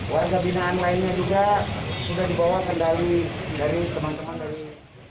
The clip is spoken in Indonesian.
warga binaan lainnya juga sudah dibawa kendali dari teman teman dari